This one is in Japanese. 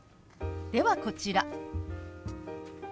ではこちら。